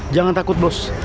jangan takut bos